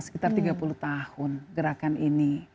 sekitar tiga puluh tahun gerakan ini